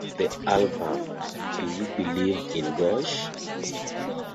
The album, Do You Believe in Gosh?